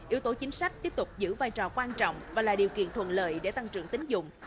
yếu tố chính sách tiếp tục giữ vai trò quan trọng và là điều kiện thuận lợi để tăng trưởng tính dụng